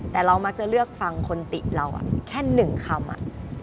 แต่เรามักจะเลือกฟังคนติเราแค่๑คำอะ